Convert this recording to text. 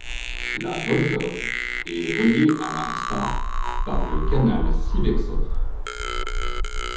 La Volkhov est reliée à la Msta par le canal Siversov.